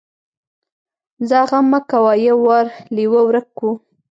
ځه غم مه کوه يو وار لېوه ورک کو.